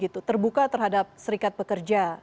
terbuka terhadap serikat pekerja